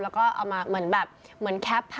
คือเอาไปต่อภาพเหมือนแบบ